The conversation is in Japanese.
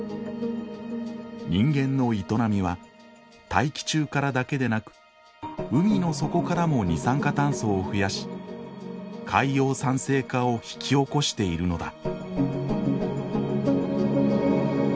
人間の営みは大気中からだけでなく海の底からも二酸化炭素を増やし海洋酸性化を引き起こしているのだ。